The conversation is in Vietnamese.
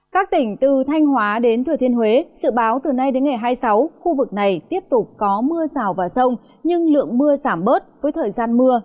các tỉnh từ thanh hóa đến thừa thiên huế sự báo từ nay đến ngày hai mươi sáu khu vực này tiếp tục có mưa rào và rông nhưng lượng mưa giảm bớt với thời gian mưa